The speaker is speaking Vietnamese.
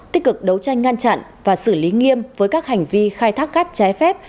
tích cực đấu tranh ngăn chặn và xử lý nghiêm với các hành vi khai thác cát trái phép